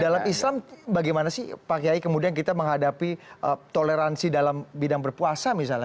dalam islam bagaimana sih pak kiai kemudian kita menghadapi toleransi dalam bidang berpuasa misalnya